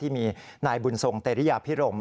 ที่มีนายบุญทรงเตรียพิรม